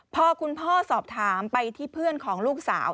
พอคุณพ่อสอบถามไปที่เพื่อนของลูกสาว